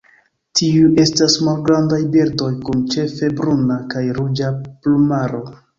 Tiuj estas malgrandaj birdoj kun ĉefe bruna kaj ruĝa plumaro.